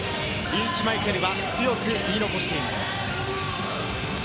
リーチ・マイケルは強く言い残しています。